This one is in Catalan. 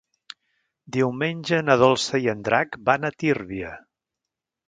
Diumenge na Dolça i en Drac van a Tírvia.